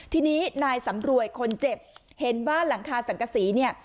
ทีนี้นายสำรวยคนเจ็บเห็นว่าหลังคาสังกษีเนี่ย